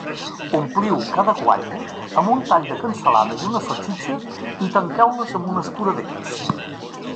Ompliu cada guatlla amb un tall de cansalada i una salsitxa i tanqueu-les amb un escuradents.